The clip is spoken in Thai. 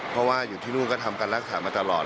เพราะว่าอยู่ที่นู่นก็ทำการรักษามาตลอด